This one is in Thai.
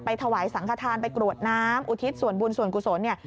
ถวายสังขทานไปกรวดน้ำอุทิศส่วนบุญส่วนกุศลเนี่ย